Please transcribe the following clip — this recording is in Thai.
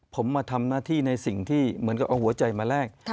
ผมมาทำหน้าที่ในสิ่งที่เหมือนกับเอาหัวใจมาแลก